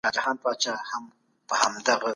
پوهان وایي چي نظم بیرته راوستل ګډه هیله وه.